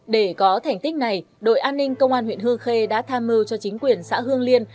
để có thành tích này đội an ninh công an huyện hương khê đã tham mưu cho chính quyền xã hương liên